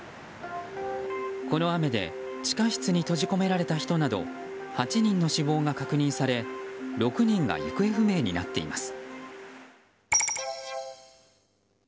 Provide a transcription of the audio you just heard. この雨で地下室に閉じ込められた人など８人に死亡が確認され６人が行方不明になっています。